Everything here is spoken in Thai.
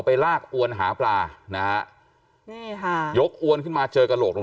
ลากอวนหาปลานะฮะนี่ค่ะยกอวนขึ้นมาเจอกระโหลกลง